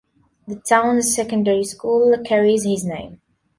The town's secondary school carries his name.